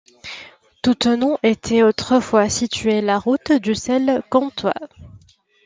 Toutenant était autrefois situé la route du sel comtois.